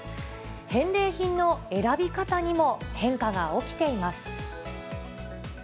返礼品の選び方にも変化が起きています。